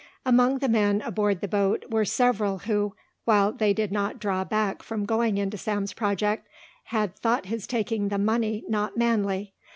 Among the men aboard the boat were several who, while they did not draw back from going into Sam's project, had thought his taking the money not manly.